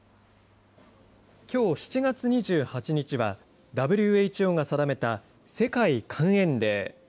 きょう７月２８日は、ＷＨＯが定めた世界肝炎デー。